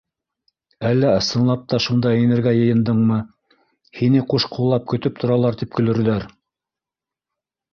Әллә ысынлап та шунда инергә йыйындыңмы, һине ҡушҡуллап көтөп торалар тип көлөрҙәр.